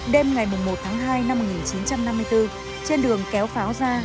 đêm ngày một tháng hai năm một nghìn chín trăm năm mươi bốn trên đường kéo pháo ra